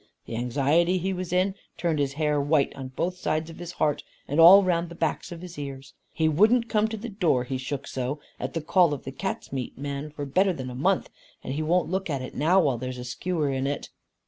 The anxiety he was in, turned his hair white on both sides of his heart and all round the backs of his ears. He wouldn't come to the door, he shook so, at the call of the cat's meat man for better than a month, and he won't look at it now, while there's a skewer in it."